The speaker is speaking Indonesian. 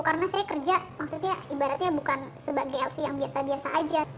karena saya kerja maksudnya ibaratnya bukan sebagai lc yang biasa biasa aja